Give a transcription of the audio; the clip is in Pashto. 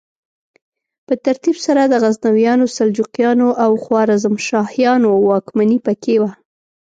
په ترتیب سره د غزنویانو، سلجوقیانو او خوارزمشاهیانو واکمني پکې وه.